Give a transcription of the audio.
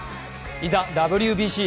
いざ、ＷＢＣへ。